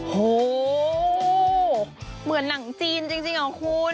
โหเหมือนหนังจีนจริงเหรอคุณ